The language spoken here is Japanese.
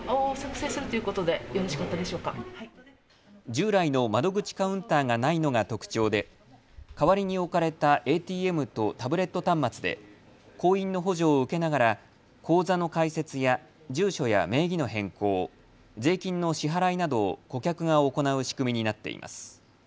従来の窓口カウンターがないのが特徴で代わりに置かれたＡＴＭとタブレット端末で行員の補助を受けながら口座の開設や住所や名義の変更、税金の支払いなどを顧客が行う仕組みになっています。